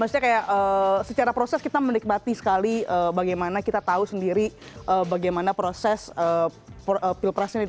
maksudnya kayak secara proses kita menikmati sekali bagaimana kita tahu sendiri bagaimana proses pilpres ini